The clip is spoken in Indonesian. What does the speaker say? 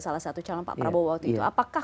salah satu calon pak prabowo waktu itu apakah